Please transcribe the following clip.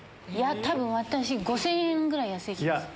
多分私５０００円ぐらい安いと思う。